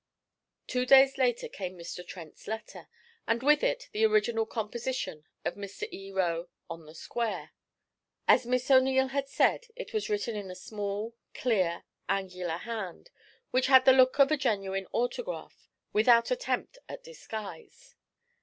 Two days later came Mr. Trent's letter, and with it the original composition of Mr. E. Roe, 'On the Square.' As Miss O'Neil had said, it was written in a small, clear, angular hand, which had the look of a genuine autograph, without attempt at disguise.